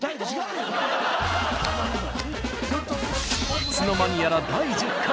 いつの間にやら第１０回。